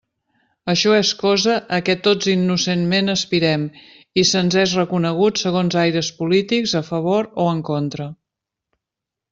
Això és cosa a què tots innocentment aspirem, i se'ns és reconegut segons aires polítics a favor o en contra.